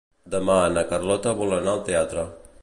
Demà na Carlota vol anar al teatre.